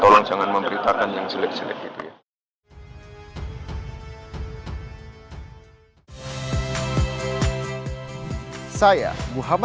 tolong jangan memberitakan yang selek selek itu ya